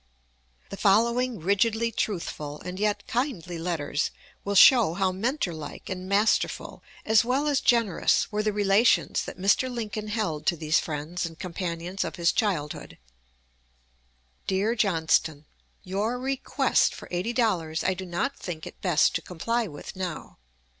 The following rigidly truthful and yet kindly letters will show how mentor like and masterful, as well as generous, were the relations that Mr. Lincoln held to these friends and companions of his childhood: DEAR JOHNSTON: Your request for eighty dollars I do not think it best to comply with now.